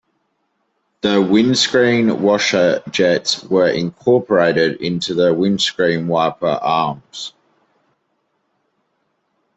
The windscreen washer jets were incorporated into the windscreen wiper arms.